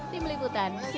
tim liputan cnn indonesia